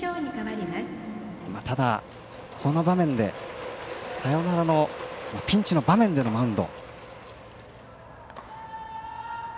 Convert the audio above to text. ただ、この場面でサヨナラのピンチの場面でのマウンド。